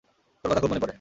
তোর কথা খুব মনে পড়ে।